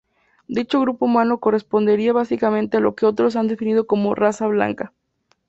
Dicho grupo humano correspondería básicamente a lo que otros han definido como "raza" blanca.